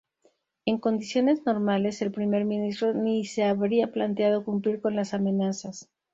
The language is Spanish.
En condiciones normales, el Primer Ministro ni se habría planteado cumplir con las amenazas.